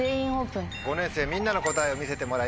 ５年生みんなの答えを見せてもらいましょう。